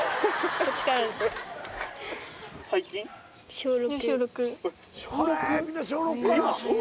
小６？